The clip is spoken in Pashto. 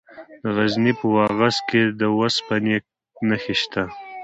د غزني په واغظ کې د اوسپنې نښې شته.